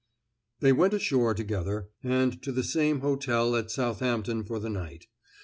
They went ashore together, and to the same hotel at Southampton for the night.